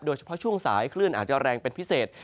โดยเฉพาะช่วงสายคลื่นอาจจะแรงเป็นพิเศษ